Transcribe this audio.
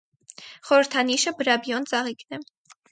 Խորհրդանիշը բրաբիոն ծաղիկն է։